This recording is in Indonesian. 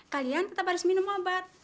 kalian tetap harus minum obat